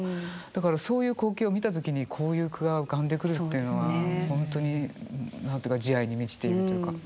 だからそういう光景を見た時にこういう句が浮かんでくるっていうのは本当に何て言うか慈愛に満ちているというか。